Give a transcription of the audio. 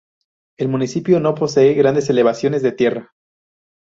El municipio no posee grandes elevaciones de tierra.